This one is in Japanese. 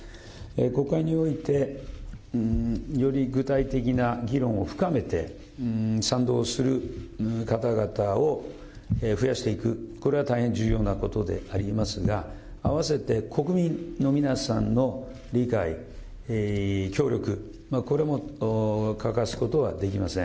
国会において、より具体的な議論を深めて、賛同する方々を増やしていく、これが大変重要なことでありますが、併せて国民の皆さんの理解、協力、これも欠かすことはできません。